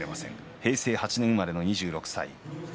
平成８年生まれ２６歳。